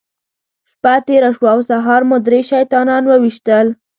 شپه تېره شوه او سهار مو درې شیطانان وويشتل.